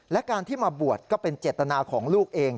และการที่มาบวชก็เป็นเจตนาของลูกเอง